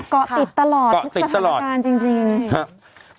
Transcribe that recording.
เกาะติดตลอดที่สถานการณ์จริง